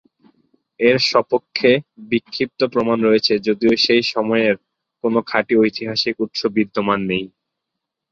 এর সপক্ষে বিক্ষিপ্ত প্রমাণ রয়েছে যদিও সেই সময়ের কোনও খাঁটি ঐতিহাসিক উৎস বিদ্যমান নেই।